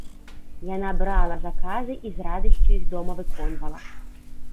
Яна брала заказы і з радасцю іх дома выконвала.